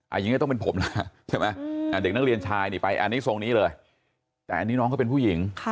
อันนี้ต้องเป็นผมนะเด็กนักเรียนชายไปอันนี้ทรงนี้เลย